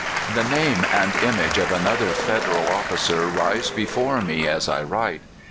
The name and image of another Federal officer rise before me as I write.